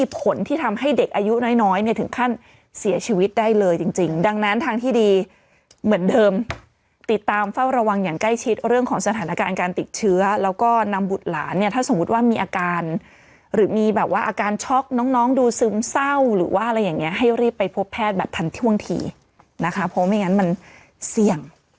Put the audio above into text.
ผลที่ทำให้เด็กอายุน้อยน้อยเนี่ยถึงขั้นเสียชีวิตได้เลยจริงดังนั้นทางที่ดีเหมือนเดิมติดตามเฝ้าระวังอย่างใกล้ชิดเรื่องของสถานการณ์การติดเชื้อแล้วก็นำบุตรหลานเนี่ยถ้าสมมุติว่ามีอาการหรือมีแบบว่าอาการช็อกน้องดูซึมเศร้าหรือว่าอะไรอย่างเงี้ให้รีบไปพบแพทย์แบบทันท่วงทีนะคะเพราะไม่งั้นมันเสี่ยง